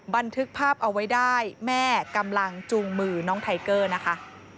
บันทึกภาพเอาไว้ได้แม่กำลังจูงมือน้องไทเกอร์นะคะ